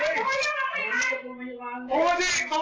พี่หอล์หรูป